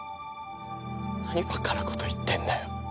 何バカなこと言ってんだよ。